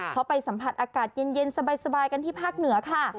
เขาไปสัมผัสอากาศเย็นสบายกันที่ภาคเหนือค่ะ